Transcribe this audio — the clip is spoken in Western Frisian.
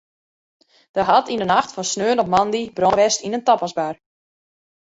Der hat yn de nacht fan snein op moandei brân west yn in tapasbar.